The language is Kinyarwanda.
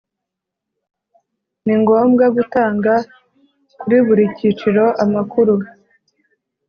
ni ngombwa gutanga kuri buri cyiciro amakuru